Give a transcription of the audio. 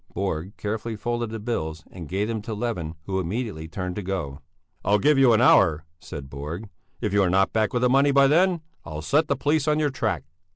Borg carefully folded the bills and gave them to Levin who immediately turned to go. "I'll give you an hour," said Borg. "If you are not back with the money by then, I'll set the police on your track."